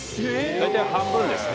大体半分ですね